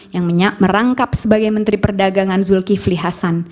yang merangkap sebagai menteri perdagangan zulkifli hasan